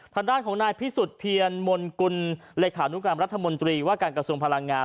ทางด้านของนายพิสุทธิเพียรมนกุลเลขานุกรรมรัฐมนตรีว่าการกระทรวงพลังงาน